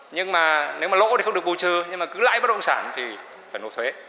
nhưng mà nếu mà lỗ thì không được bù trừ nhưng mà cứ lãi bất động sản thì phải nộp thuế